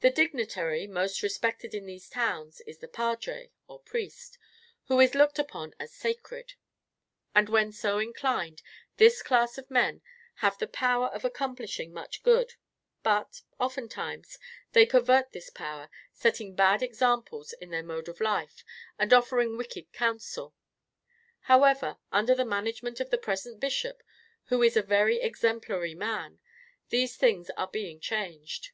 The dignitary most respected in these towns is the Padre (or Priest), who is looked upon as sacred; and, when so inclined, this class of men have the power of accomplishing much good; but, oftentimes, they pervert this power, setting bad examples in their mode of life, and offering wicked counsel. However, under the management of the present bishop, who is a very exemplary man, these things are being changed.